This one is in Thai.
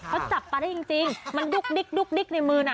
เขาจับปลาได้จริงมันดุ๊กดิ๊กในมือน่ะ